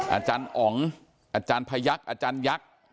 อาจารย์อ๋องอาจารย์พยักษ์อาจารยักษ์